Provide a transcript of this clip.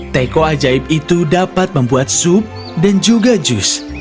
teko ajaib itu dapat membuat sup dan juga jus